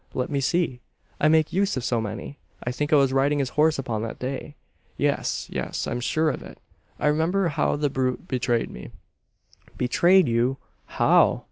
Let me see? I make use of so many. I think I was riding this horse upon that day. Yes, yes; I am sure of it. I remember how the brute betrayed me." "Betrayed you! How?"